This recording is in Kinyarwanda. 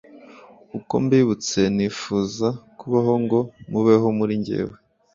uko mbibutse nifuza kubaho ngo mubeho muri jyewe